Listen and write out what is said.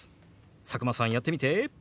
佐久間さんやってみて。